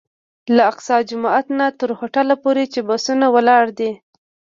له اقصی جومات نه تر هوټل پورې چې بسونه ولاړ دي.